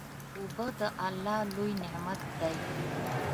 اوبه د الله لوی نعمت دی.